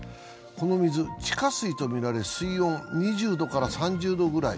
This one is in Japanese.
この水、地下水とみられ、水温２４度から３０度くらい。